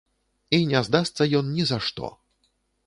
І не здасца ён нізашто.